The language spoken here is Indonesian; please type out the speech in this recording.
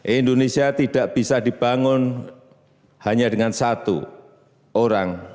indonesia tidak bisa dibangun hanya dengan satu orang